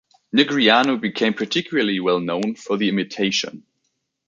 Negreanu became particularly well known for the imitation.